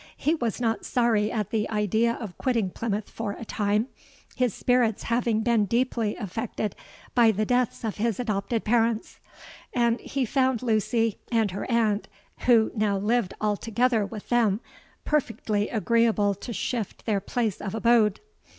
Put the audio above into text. He was not sorry at the idea of quitting Plymouth for a time, his spirits having been deeply affected by the deaths of his adopted parents; and he found Lucy and her aunt, who now lived altogether with them, perfectly agreeable to shift their place of abode.